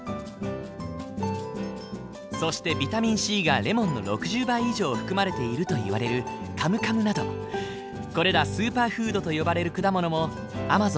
そしてビタミンＣがレモンの６０倍以上含まれているといわれるカムカムなどこれらスーパーフードと呼ばれる果物もアマゾン原産。